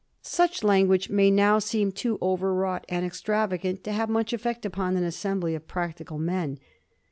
Such language may now seem too overwrought and extravagant to have much effect upon an assembly of practical men.